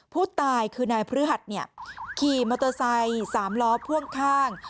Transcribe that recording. ผู้ตายคือนายพฤหัสเนี่ยขี่มอเตอร์ไซค์๓ล้อพ่วงข้าง